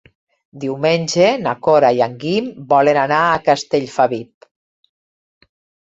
Diumenge na Cora i en Guim volen anar a Castellfabib.